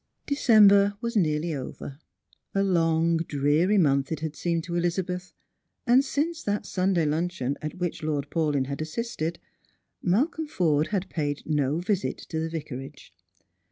December was nearly over. A long dreary month it had seemed to Elizabeth; and since that Sunday luncheon at which Lord Paulyn had assisted, Malcolm Forde had paid no visit to the Vicarage.